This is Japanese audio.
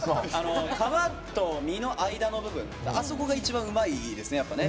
皮と身の間の部分あそこが一番うまいですね。